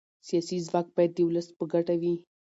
سیاسي ځواک باید د ولس په ګټه وي